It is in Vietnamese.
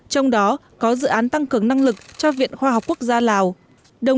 trong đó có dự án tăng cường năng lực cho viện khoa học quốc gia lào